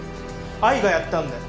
アイがやったんだよ！